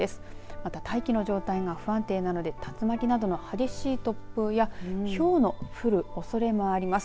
また、大気の状態が不安定なので竜巻などの激しい突風やひょうの降るおそれもあります。